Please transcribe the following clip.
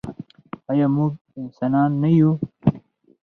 آیا موږ انسانان نه یو؟